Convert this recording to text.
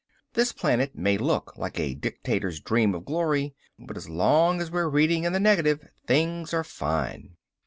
This planet may look like a dictator's dream of glory, but as long as we're reading in the negative things are fine."